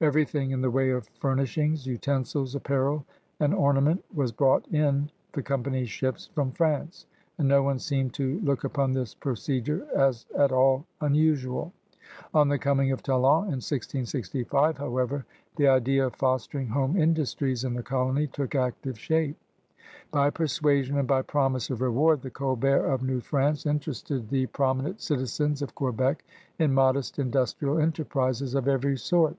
Everything in the way of furnishings, utensils, apparel, and ornament was brought in the com pany's ships from France, and no one seemed to look upon this procedure as at all unusual. On the coming of Talon in 1665, however, the idea of fostering home industries in the colony took active shape. By persuasion and by promise of reward, the "Colbert of New France interested the AGRICULTURE, INDUSTRY, AND TRADE 189 prominent citizens of Quebec in modest industrial enterprises of every sort.